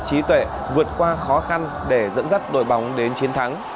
trí tuệ vượt qua khó khăn để dẫn dắt đội bóng đến chiến thắng